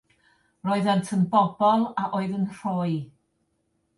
Roeddent yn bobl a oedd yn rhoi.